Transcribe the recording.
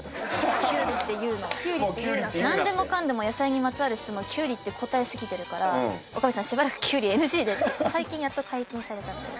何でもかんでも野菜にまつわる質問キュウリって答え過ぎてるから「岡部さんしばらくキュウリＮＧで」最近やっと解禁されたので。